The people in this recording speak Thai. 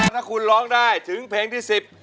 ถ้าคุณร้องได้ถึงเพลงที่๑๐